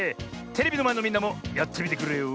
テレビのまえのみんなもやってみてくれよ。